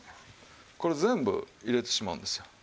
これ全部入れてしまうんですよ。